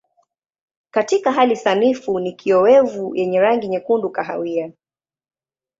Katika hali sanifu ni kiowevu yenye rangi nyekundu kahawia.